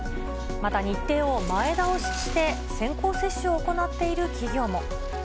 また日程を前倒しして、先行接種を行っている企業も。